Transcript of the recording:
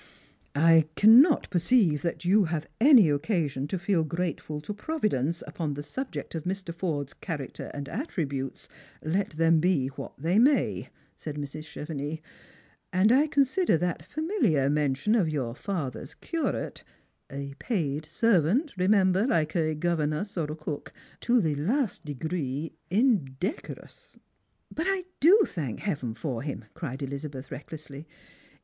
" I cannot perceive that you have any occasion to feel grate ful to Providence upon the subject of Mr. Forde's character and attributes, let them be what they may," said Mrs. Chevenix; " and I consider that familiar mention of your father's curate — a paid servant remember, like a governess or a cook — to the last degree indecorous." " But I do thank heaven for him," cried Elizabeth recklessly.